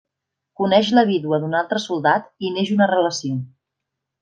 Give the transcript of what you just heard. Coneix la vídua d'un altre soldat i neix una relació.